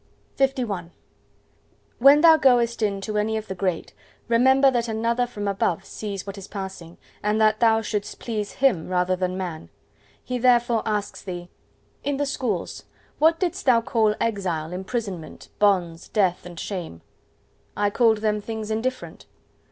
LI When thou goest in to any of the great, remember that Another from above sees what is passing, and that thou shouldst please Him rather than man. He therefore asks thee:— "In the Schools, what didst thou call exile, imprisonment, bonds, death and shame?" "I called them things indifferent."